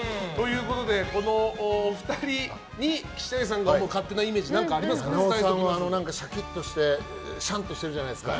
このお二人に岸谷さんが思う勝手なイメージ菜々緒さんはシャキッとしてしゃんとしてるじゃないですか。